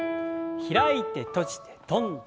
開いて閉じて跳んで。